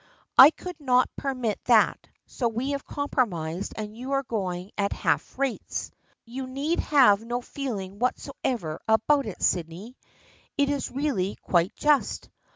I could not permit that, so we have compromised and you are going at half rates. You need have no feeling whatever about it, Sydney. It is really quite just.